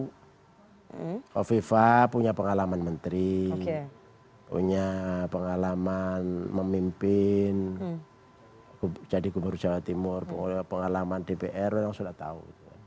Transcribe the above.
kofifa punya pengalaman menteri punya pengalaman memimpin jadi gubernur jawa timur pengalaman dpr orang sudah tahu